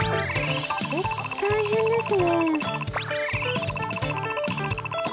えっこれ大変ですね。